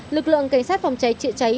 lực lượng cảnh sát phòng cháy trựa cháy